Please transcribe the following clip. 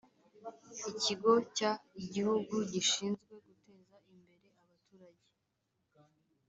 ikigo cy igihugu gishinzwe guteza imbere abaturage